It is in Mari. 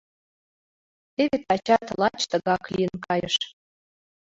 Теве тачат лач тыгак лийын кайыш.